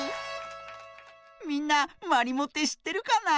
みんなまりもってしってるかな？